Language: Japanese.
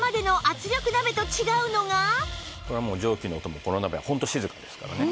さらにこれはもう蒸気の音もこの鍋はホント静かですからね。